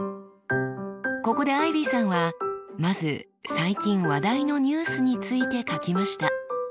ここでアイビーさんはまず最近話題のニュースについて書きました。